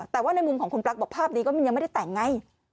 แต่ว่าในมุมของคุณปลั๊กบอกภาพนี้ก็มันยังไม่ได้แต่งไง